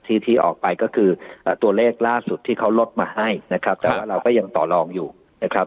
ที่ที่ออกไปก็คือตัวเลขล่าสุดที่เขาลดมาให้นะครับแต่ว่าเราก็ยังต่อลองอยู่นะครับ